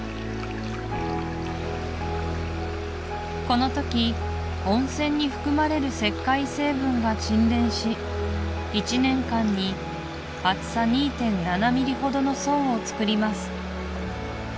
この時温泉に含まれる石灰成分が沈澱し１年間に厚さ２．７ミリほどの層をつくります